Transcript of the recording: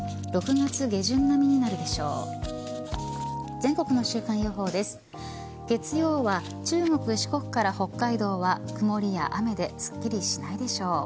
月曜は中国、四国から北海道は曇りや雨ですっきりしないでしょう。